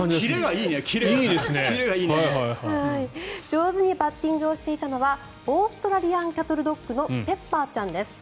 上手にバッティングをしていたのはオーストラリアン・キャトル・ドッグのペッパーちゃんです。